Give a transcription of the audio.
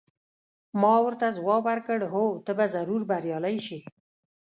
ما ورته ځواب ورکړ: هو، ته به ضرور بریالۍ شې.